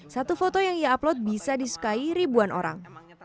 satu foto yang ia upload bisa disukai ribuan orang